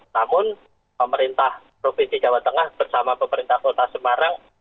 namun pemerintah provinsi jawa tengah bersama pemerintah kota semarang